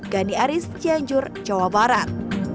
gani aris cianjur jawa barat